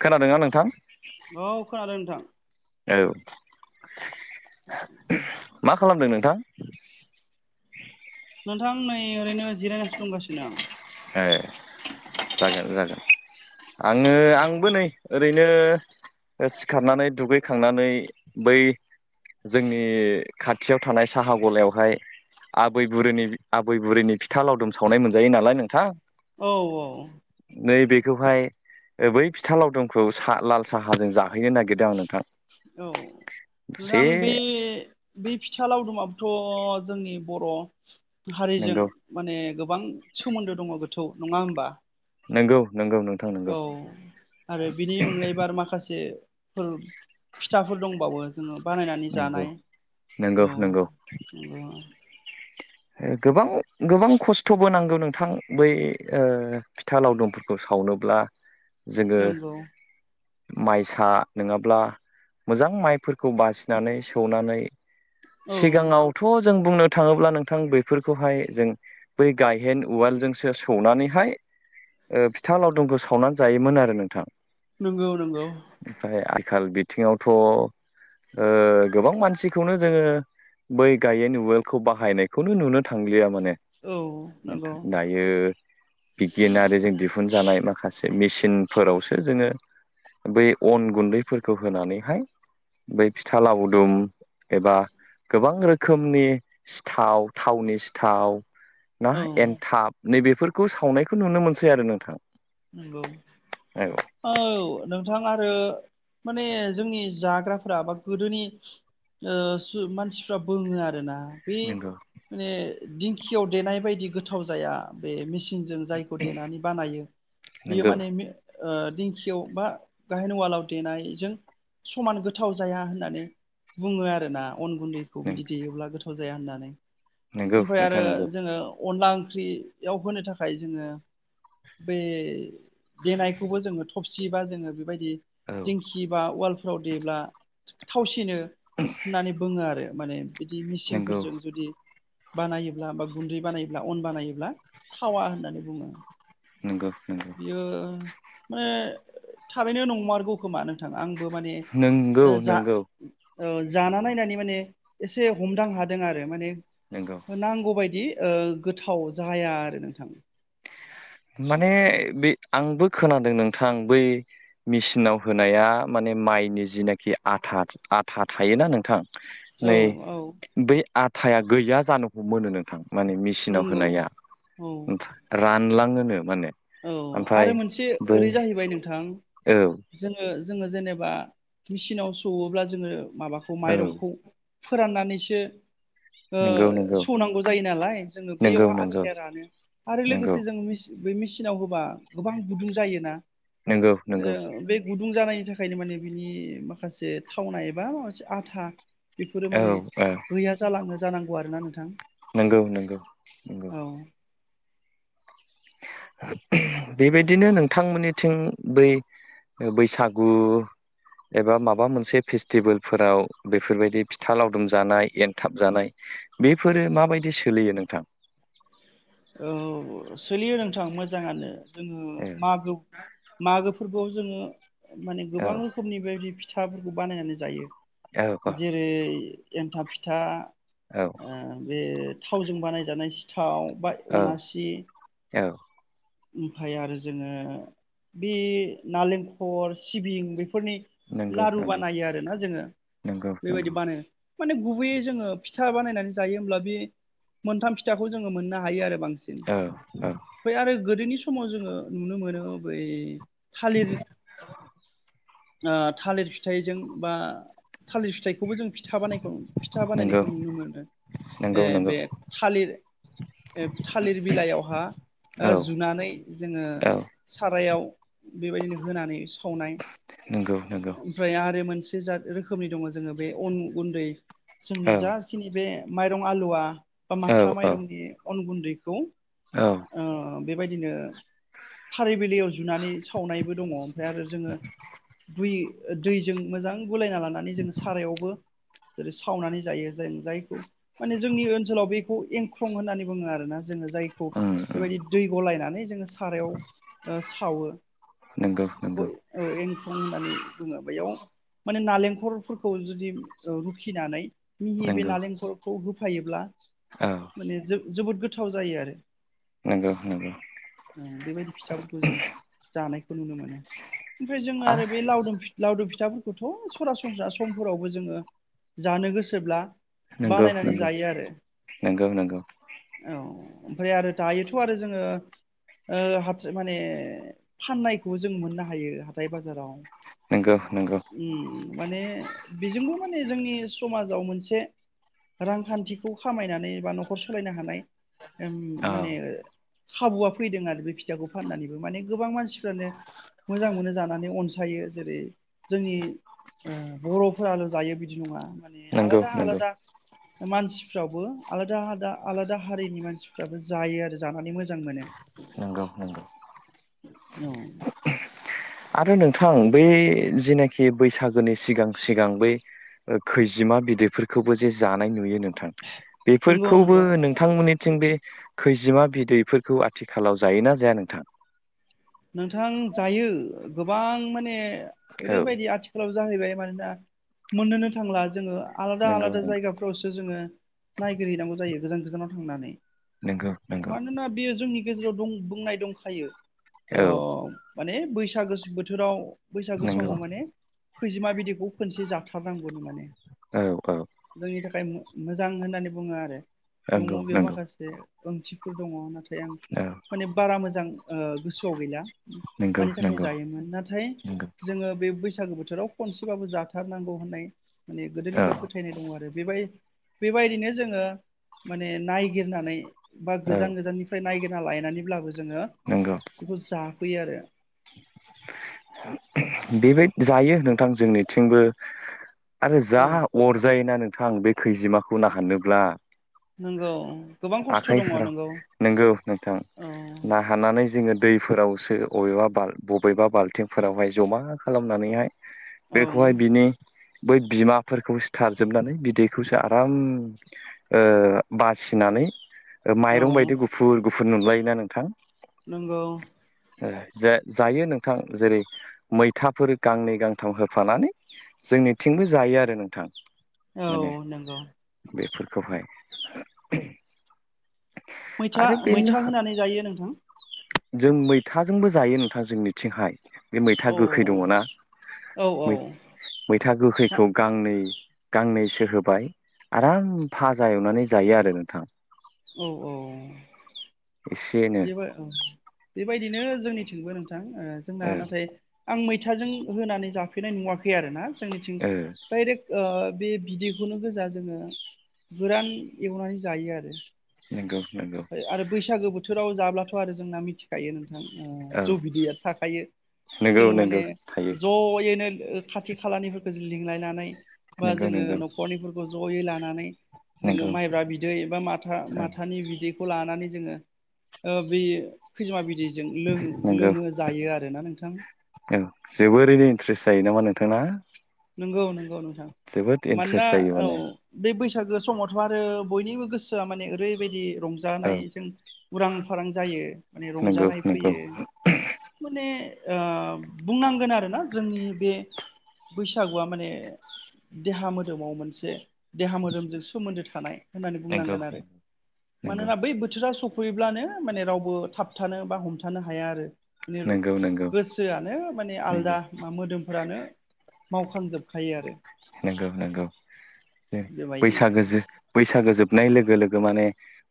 खोनादोंना नोंथां? औ खोनादों नोंथां। औ [inaudible] मा खालामदों नोंथां? नोंथां नै ओरैनो जिरायनानैसो दंगासिनो आं। ए जागोन जागोन आङो आंबो नै आं ओरैनो ओ सिखारनानै दुगैखांनानै बै जोंनि खाथियाव थानाय साहा गलायावहाय आबै बुरैनि आब बै बुरैनि फिथा लावदुम सावनाय मोनजायो नालाय नोंथां औ औ। नै बेेखौहाय ओ बै फिथा लावदुमखौ सा लाल साहाजों जा औ दसे मोजां बे बि फिथा लावदुमा थ' जोंनि बर' हारिजों नंगौ माने गोबां सोमोन्दो दङ गो थौ। नङा होमबा? नंगौ नंगौ नोंथां नंगौ औ आरो बिनि अनगायैबो आरो माखासे फोर फिथाफोर दंबाबो जोङो बानायनानै नंगौ जानाय औ नंगौ औ। गोबां गोबां खस्थ'बो नांगौ। नोंथां बै ओ फिथा लावदुमफोरखौ सावनोब्ला जोङो नंगौ माइसा नोङाब्ला मोजां माइफोरखौ बासिनानै सौनानै औ सिगाङावथ' जों बुंनो थाङोब्ला नों थां बैफोरखौहाय जों बै गायहेन उवालजोंसो सौनानैहाय ओ फिथा लावदुमखौ सावनानै जायोमोन आरो नोंथां। नोंगौ नोंगौ। थिं आवथ' ओ गोबां मानसिखौनो जोङो बै गायहेन उवालखौ बाहायनाय खौनो नुनो थांलिया माने। औ नंगौ नोंथांं दायो बिगियानारिजों दिहुनजानाय माखासे मे सिनफोरावसो जोङो बे अन गुन्दैफोरखौ होनानैहाय बै फिथा लावदुम एबा गोबां रोखोमनि थाव थावनि सिथाव ना औ एनथाब नैबे फोरखौ सावनायखौ नुनो मोनसै आरो नोंथां। नंगौ औ नोंथाङा ओ माने जोंनि जाग्राफोरा बा गोदोनि ओ सु मानसिफ्रा बुङो आरो ना बै नंगौ माने दिंखियाव देनाय बायदि गोथाव जाया बे मिस सिनजों जायखौ देनानै बानायो बेयो नंगौ माने मे ओ दिंखियाव बा गाहेन उवालाव देनायजों समान गोथाव जाया होननानै बुङो आरोना। अन गुन्दैखौ बिदि देयोब्ला गोथाव जाया होननानै। नंगौ ओमफ्राय आरो नोंथां नंगौ जोङो अनला ओंख्रियाव होनो थाखाय जोङो बे देनायखौबो जोङो थबसि बा जोङो बेबायदि औ दिंखि बा उवाल फ्राव देब्ला थावसिनो होननानै बुङो आरो माने बिदि नंगौ मेसिनफोरजों जुदि बानायोब्ला बा गुन्दै बानायोब्ला अन बानायोब्ला थावा होननानै बुंदों नंगौ नंगौ बियो माने थारैनो नंमारगौ खोमा नों नोंथां आंबो माने नंगौ जा नंगौ जाना नंगौ नायनानै माने एसे हमदां हादों आरो माने नंगौ नांगौबायदि ओ गोथाव जाया आरो नोंथां। माने बे आंबो खोनादों नोंथां बै मेसिनाव होनाया माने माइनि जिनाखि आथ आथा आथा थायोना नोंथां औ नै औ बै आथाया गैया जानो हमोनो नोंथां माने मेसिनाव नंगौ होनाया औ रानला ङोनो माने औ ओमफ्राय आरो मोनसे बै ओरै जाहैबाय नोंथां औ जोङो जोङो जेनेबा मेचिनाव सौवोब्ला जोङो माबाखौ औ माइरंखौ फोराननानैसो ओ नंगौ नंगौ सौनांगौ जायो नालाय जोङो नंगौ बेयावहाय नंगौ आथायाया रानो आरो नंगौ लोगोसे जोंङो बे मेसिनाव होबा गोबां गुदुं जायोना नंगौ नंगौ बे गुदुं जानाय नि थाखायनो माने बिनि माखासे थावनाय एबा माबा मोनसे आथा बेफोरो औ माने औ गैया जालाङो जानांगौ आरोना नोंथां नंगौ नंगौ नंगौ। औ बेबायदिनो नोंथांमोननिथिं बै बैसागु एबा माबा मोनसे फेस्टिभेलफोराव बेफोरबायदि फिथा लावदुम जानाय एनथाब जानाय बेफोरो माबायदि सोलियो नोंथां [unintelligible] औ सोलियो नोंथां मोजाङानो जोङो औ मागो मागो फोरबोआव जोङो माने औ गोबां रोखोमनि बेबादि फिथाफोरखौ बानायनानै जायो जेरै एनथाब फिथा औ ओ बे थावजों बानायजानाय सिथाव बा औ अनासि औ ओमफाय आरो जोङो बे नालेंखर सिबिं बे फोरनि नंगौ लारु नंगौ बानायो आरोना जोङो नंगौ बेबायदि नंगौ बानायना- माने गुबैयै जोङो फिथा बानायनानै जायो होमब्ला बे मोनथाम फिथाखौ जोङो मोननो हायो आरो बांसिन औ औ फाय आरो गोदोनि समाव जोङो नुनो मोनो ओ बै थालिर ओ थालिर फिथाइजों बा थालिर फिथाइखौबो जों फिथा बानायखौ फिथा नंगौ बानायनायखौ नुनो मोनदों ए नंगौ बे नंगौ थालिर ए थालिर बिलाइयावहा ओ औ जुनानै जोङो औ सा रायाव बेबायदिनो होनानै सावनाय नंगौ नंगौ ओमफ्राय आरो मोनसे जाद रोखोमनि दङ जोङो बे अन गुन्दै जोंनि औ जाखिनि बे माइरं आलुवा बा औ माथा औ माइरंनि अन गुन्दैखौ औ ओ बेबायदिनो थालि- जुनानै सावनायबो दङ ओमफ्राय दैजों मोजां गलायना लानानै जोङो सारायावबो जेरै सावनानै जायो जों जायखौ माने जोंनि ओनसोलाव बेखौ एंख्रं होननानै बोङो आरोना जोङो जायखौ उम उम बेबायदि दै गलायनानै जोङो सारायाव ओ सावो नंगौ बेखौ नंगौ ए औ एंख्रं होननानै बुङो बैयाव माने नालेंखरफोरखौ जुदि ओ रुखिनानै मिहि बे नंगौ नालेंखलरखौ हो होफायोब्ला माने जोबोद गोथाव जायो आरो। नोंंगौ नोंगौ औ बेबायदि फिथाफोरखौ जों जानायखौ नुनो मोनो। ओमफ्राय जोङो आ आरो बे लावदुम लावदुम फि थाफोरखौथ' सरासनस्रा समफोरावबो जोङो जानो गोसोब्ला नोंगौ बानायनानै नोंगौ जायो आरो नोंगौ नोंगौ औ ओमफ्राय आरो दायोथ' आरो जोङो ओ हाथ माने फाननायखौबो जों मोननो हायो हाथाय बाजाराव नोंगौ नोंगौ उम माने बेजोंबो माने जोंनि समाजाव मोनसे रांखान्थिखौ खामायनानै बा न'खर सालायनो हानाय ओम औ माने खाबुआ फैदों आरो बे फिथाखौ फाननानैबो माने गोबां मानसिफ्रानो मोजां मोनो जानानै अनसायो जेरै जोंनि ओ बर'फोराल' जायो बिदि नङा माने नंगौ आलादा नंगौ आलादा मानसिफ्रावबो आलादा आलादा आलादा हारिनि मानसिफ्राबो जायो आरो जानानै मोजां मोनो। नंगौ नंगौ औ आरो नोंथां बै जेनाखि बैसागोनि सिगां सिगां बै ओ खैजिमा बिदैफोरखौबो जे जानाय नुयो नों थां नंगौ बेफोरखौबो नंगौ नोंथांमोननिथिं बै खैजिमा बिदैफोरखौ आ थिखालाव जायोना जाया नोंथां? नोंथां जायो गोबां माने औ ओरैबायदि आथिखालाव जाहैबाय मानोना मोननोनो थांला जोङो आलदा नंगौ आलादा जायगाफ्रावसो जोङो नायगिरहैनांगौ जायो गोजान गोजानाव थांनानै। नंगौ नंगौ मानोना बेयो जोंनि गेजेराव दं बुंनाय दंखायो औ ओ। माने बैसागो बोथोराव बैसागो नंगौ समाव माने खैजिमा बिदैखौ खोनसे जाथारनांगौनो माने औ औ जोंनि थाखाय मोजां होननानै बुङो आरो दङ नंगौ बेयाव नंगौ माखासे ओंथिफोर दङ। नाथाय ओमफ्राय आं औ माने बारा मोजां गोसोआव गैला। नंगौ मानि थाखाय नंगौ जायोमोन नाथाय नंगौ जोङो बे बैसा बैसागु बोथोराव खनसेबाबो जाथारनांगौ होननाय माने औ गोदोनिफ्राय फोथायनाय दङ आरो बेबाय बेबायदिनो जोङो माने नायगिरनानै बा औ गोजान गोजाननिफ्राय नायगिर ना लायनानैब्लाबो जोङो नोंगौ बेखौ जाफैयो आरो। बेबाय जायो नोंथां जोंनिथिंबो आरो जा औ अरजायोना नोंथां बे खैजिमाखौ ना हाननोब्ला [inaudible] गोबां खस्थ' दङ नंगौ आखाइफोराव नोंगौ नोंथां औ ना हाननानै जोङो दैफोरावसो अबेबा बाल बबेबा बाल्थिंफोरावहाय जमा खालामनानैहाय औ बेखौहाय बिनि बै बिमाफोरखौ सिथारजोबनानै बिदैखौसो आराम ओ बासि नानै ओ औ माइरं बायदि गुफुर गुफुर नुलायोना नोंथां। नोंगौ ओ जो जायो नोंथां जेरै मैथाफोर गांनै गांथाम होफानानै जोंनिथिंबो जायो आरो नोंथां। औ नोंगौ खौहाय मैथा मैथा होनानै जायो नोंथां जों मैथाजोंबो जायो नोंथां जोंनिथिंहाय बे मैथा औ गोखै दङ ना औ औ मै मैथा मा गोखैखौ गांनै गांनैसो होबाय आराम भाजा एवनानै जायो आरो नोंथां औ औ एसेनो बेबो औ बेबायदिनो जोंनिथिंबो नोंथां जोंना औ नाथाय आं मै- थाजों होननानै जाफेरनाय नुवाखै आरोना जोंनिथिं औ दाइरेक ओ बे बिदैखौनो गोजा जोङो गोरान एवनानै जायो आरो नंगौ नंगौ आरो बैसागो बोथोराव जाब्लाथ' आरो जोंना मिथिखायो नोंथां औ जौ बिदैया थाखायो नंगौ जोङो माने नंगौ थायो ज'यैनो ओ खाथि खालानिफोरखो जों लिंलायनानै बा नंगौ जोङो नंगौ न'खरनिफोरखौ जयै ला- नानै जोङो नंगौ माइब्रा बिदै एबा माथा औ माथानि बिदै- खौ लानानै जोङो ओ बि खैजोमा बिदैजों लों नंगौ लोङो जायो आरोना नोंथां औ जोबोरैनो इन्ट्रेस्ट जायो नामा नोंथां ना नंगौ नंगौ नोंथां मानोना इन्ट्रेस्ट जायो औ माने बै बै सागो समावथ' आरो बयनिबो गोसोआ माने ओरैबायदि औ रंजानायजों उरां फारां जायो माने नंगौ रंजानाय नंगौ फैयो माने ओ बुंनांगोन आरोना जोंनि बे बैसागुआ माने देहा मोदोमाव मोनसे देहा मोदोमजों सोमोन्दो थानाय होननानै नंगौ बुंनांगोन आरो नंगौ मानोना बै बोथोरा स- फैब्लानो माने रावबो थाबथानो बा हमथानो हाया आरो माने नंगौ नंगौ गोसोआनो माने आलदा नंगौ मा मोदोमफोरानो मावखांजोब खायो आरो नंगौ नंगौ जो बेबायदि बैसागोजों बैसागो जोबनाय लोगो लोगो माने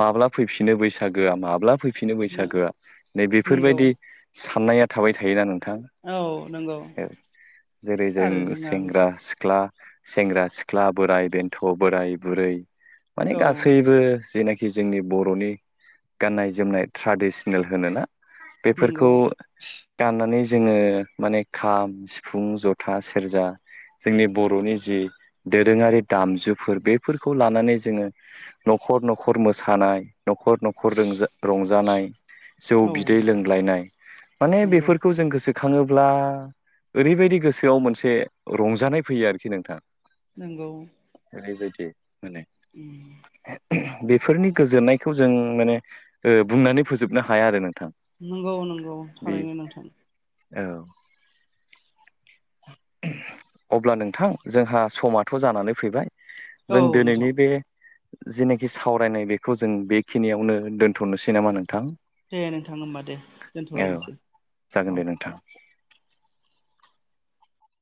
माब्ला फैफिनो बैसागोआ माब्ला फै- फिनो बैसागोआ नै नंगौ बेफोरबायदि साननाया थाबाय थायोना नों- थां औ नंगौ औ जेरै जों आरो जोंहा सेंग्रा सिख्ला सेंग्रा सिख्ला बोराय बेन्थ' बोराय बुरै माने औ गासैबो जेना खि जोंनि बर'नि गाननाय जोमनाय ट्राडिसनेल होनोना नंगौ बेफोरखौ गाननानै जोङो माने खाम सिफुं जथा सेरजा जोंनि बर'नि जि दोरोङारि दामजुफोर बेफोरखौ लानानै जोङो न'खर न'खर मोसानाय न'खर न'खर रोंजा रंजानाय जौ औ बिदै लोंलायनाय माने नंगौ बेफोरखौ जों गोसो खाङोब्ला ओरैबायदि गोसोआव मोनसे रंजानाय फैयो आरोखि नोंथां नंगौ जेरै बायदि माने बेफोरनि गोजोननायखौ जों माने ओ बुंनानै फोजोबनो हाया आरो नों नंगौ नंगौ थारैनो नोंथां औ अब्ला नोंथां जोंहा समाथ' जानानै फैबाय औ जों नोंथां दोनैनि बे जेनाखि सावरायनाय बेखौ जों बेखिनियावनो दोन्थ'नोसै नामा नोंथां दे नोंथां होमबा दे औ दोनथ'लायनोसै जागोन औ दे नोंथां